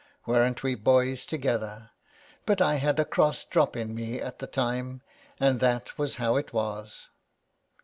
Weren't we boys together ? But I had a cross drop in me at the time, and that was how it was."